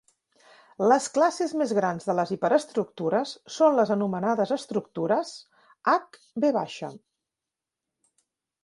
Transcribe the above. Les classes més grans de les hiperestructures són les anomenades estructures "Hv".